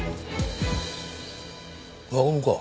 輪ゴムか？